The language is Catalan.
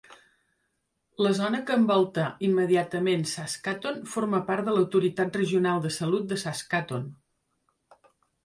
La zona que envolta immediatament Saskatoon forma part de l'Autoritat Regional de Salut de Saskatoon.